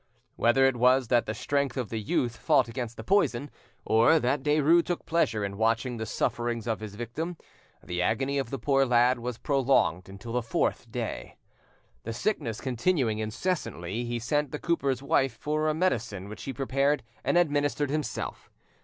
Whether it was that the strength of youth fought against the poison, or that Derues took pleasure in watching the sufferings of his victim, the agony of the poor lad was prolonged until the fourth day. The sickness continuing incessantly, he sent the cooper's wife for a medicine which he prepared and administered himself.